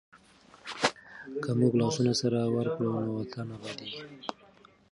که موږ لاسونه سره ورکړو نو وطن ابادېږي.